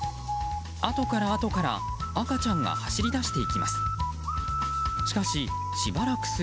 あとからあとから赤ちゃんが走り出していきます。